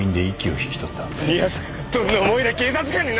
宮坂がどんな思いで警察官になったか！